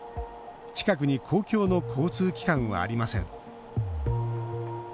近くに公共の交通機関はありません。